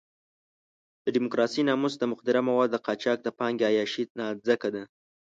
د ډیموکراسۍ ناموس د مخدره موادو د قاچاق د پانګې عیاشۍ نانځکه ده.